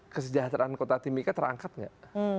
kesejahteraan kota timika terangkat nggak